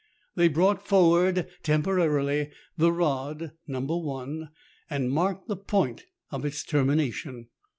They brought forward temporarily the rod "No. i," and marked the point of its termination.